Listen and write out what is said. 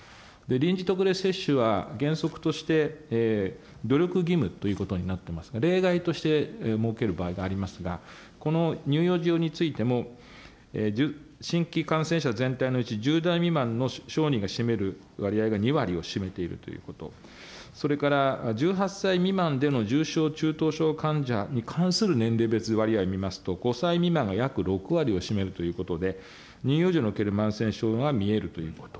臨時特例接種は、原則として努力義務ということになってますが、例外として設ける場合がありますが、この乳幼児用についても、新規感染者全体のうち１０代未満の小児が占める割合が２割を占めているということ、それから１８歳未満での重症、中等症患者を年齢別割合を見ますと、５歳未満が約６割を占めるということで、乳幼児におけるが見えるということ。